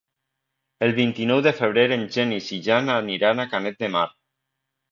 El vint-i-nou de febrer en Genís i en Jan aniran a Canet de Mar.